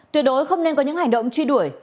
tuyệt đối không nên có những hành động truy đuổi